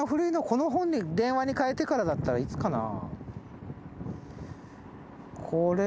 この電話にかえてからだったらいつかな？